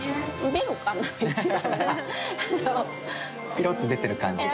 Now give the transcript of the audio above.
ペロって出てる感じが。